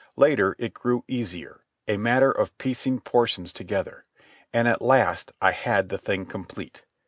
Later, it grew easier, a matter of piecing portions together. And at last I had the thing complete.